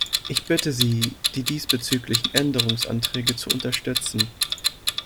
Ich bitte Sie, die diesbezüglichen Änderungsanträge zu unterstützen.